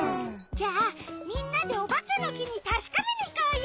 じゃあみんなでおばけのきにたしかめにいこうよ！